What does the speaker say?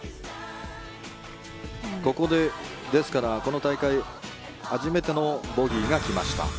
ここで、ですからこの大会初めてのボギーが来ました。